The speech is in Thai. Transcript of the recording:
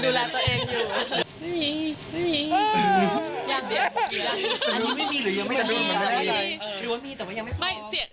ไม่มีไม่มียังไม่มีหรือว่ามีแต่ว่ายังไม่พร้อม